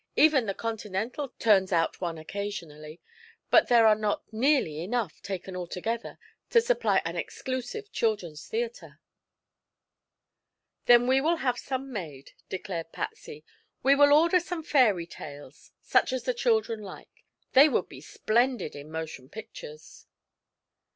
"Even the Continental turns out one occasionally. But there are not nearly enough, taken all together, to supply an exclusive children's theatre." "Then we will have some made," declared Patsy. "We will order some fairy tales, such as the children like. They would be splendid in motion pictures."